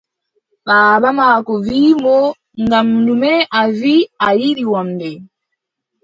Baaba maako wii mo: ngam ɗume a wii a yiɗi wamnde?